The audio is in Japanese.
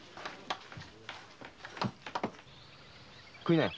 食いなよ。